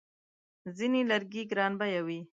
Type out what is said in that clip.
ځینې لرګي ګرانبیه وي.